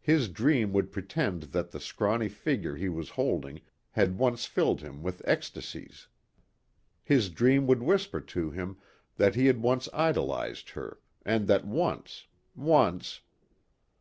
His dream would pretend that the scrawny figure he was holding had once filled him with ecstasies. His dream would whisper to him that he had once idolized her and that once ... once.